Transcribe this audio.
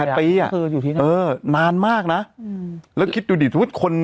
สิบแปดปีอ่ะคืออยู่ที่ไหนเออนานมากน่ะอืมแล้วคิดดูดิสมมุติคน